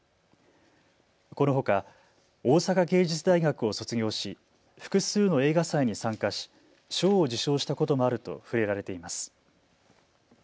このほか、大阪芸術大学を卒業し複数の映画祭に参加し賞を受賞したこともあると触れられています。